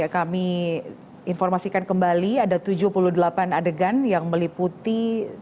kami informasikan kembali ada tujuh puluh delapan adegan yang meliputi